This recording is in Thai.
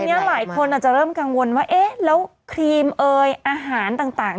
อันนี้หลายคนอาจจะเริ่มกังวลว่าเอ๊ะแล้วครีมเอยอาหารต่าง